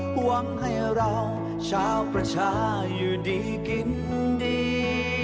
ห่วงให้เราชาวประชาอยู่ดีกินดี